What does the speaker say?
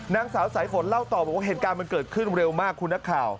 นางสาวสายฝนเล่าต่อบอกว่าเหตุการณ์มันเกิดขึ้นเร็วมากคุณนักข่าว